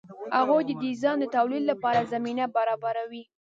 هغوی د ډیزاین د تولید لپاره زمینه برابروي.